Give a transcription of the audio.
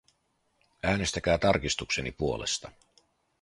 Äänestäkää tarkistukseni puolesta.